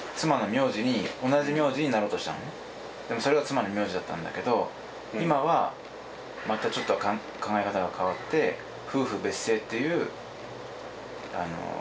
それが妻の名字だったんだけど今はまたちょっと考え方が変わって夫婦別姓っていう別の名字を選択しようとしている。